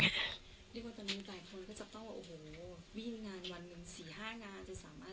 ดีใจแล้วก็ให้กำลังใจเราในการทำงานค่ะ